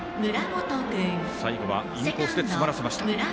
最後はインコースで詰まらせました。